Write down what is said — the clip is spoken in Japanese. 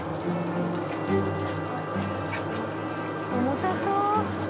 重たそう。